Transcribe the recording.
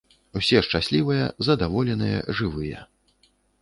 Усе шчаслівыя, задаволеныя, жывыя.